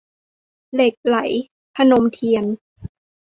เหล็กไหล - พนมเทียน